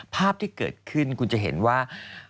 ภาพที่เกิดขึ้นคุณจะเห็นว่า